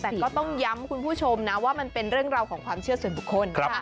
แต่ก็ต้องย้ำคุณผู้ชมนะว่ามันเป็นเรื่องราวของความเชื่อส่วนบุคคล